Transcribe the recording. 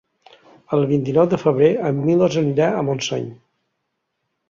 El vint-i-nou de febrer en Milos anirà a Montseny.